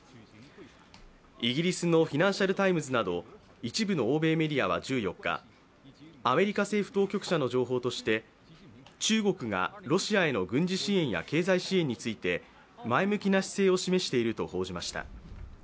イギリスの「フィナンシャル・タイムズ」など一部の欧米メディアは１４日、アメリカ政府当局者の話として中国がロシアへの軍事支援や経済支援について前向きな姿勢を示していると報じました。